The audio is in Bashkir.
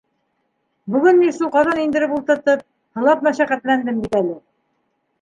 Бөгөн ни шул ҡаҙан индереп ултыртып, һылап мәшәҡәтләндем бит әле.